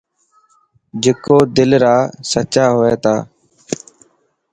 جڪو دل را سچا هئني ٿا.